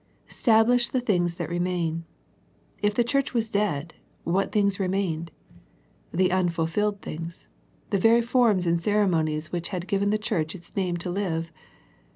" Stablish the things that remain." If the church was dead, what things remained ? The unfulfilled things, the very forms and cere monies which had given the church its name to live.